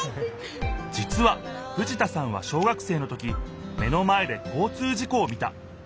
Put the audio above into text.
じつは藤田さんは小学生の時目の前で交通事故を見た。